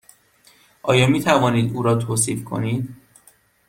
آیا می توانید او را توصیف کنید؟